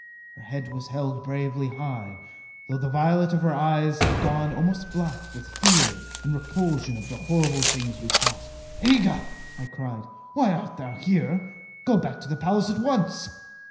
Her head was held bravely high, though the violet of her eyes had gone almost black with fear and repulsion of the terrible things we fought. "Aga!" I cried. "Why art thou here! Go back to the palace at once!"